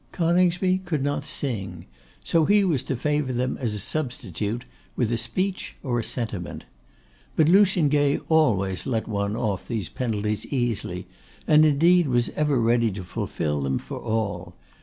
Coningsby could not sing; so he was to favour them as a substitute with a speech or a sentiment. But Lucian Gay always let one off these penalties easily, and, indeed, was ever ready to fulfil them for all.